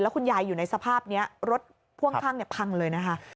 คุณยายอยู่ในสภาพนี้รถพ่วงข้างพังเลยนะคะ